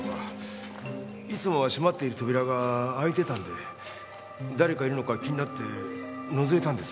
いつもは閉まっている扉が開いてたんで誰かいるのか気になってのぞいたんです。